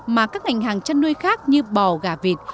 mà các ngành hàng chăn nuôi khác như bò gà vịt